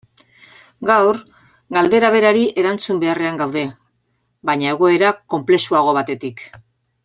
Gaur, galdera berari erantzun beharrean gaude, baina egoera konplexuago batetik.